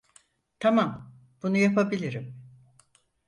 Tamam, bunu yapabilirim.